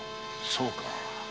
そうか。